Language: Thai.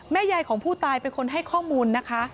ยายของผู้ตายเป็นคนให้ข้อมูลนะคะ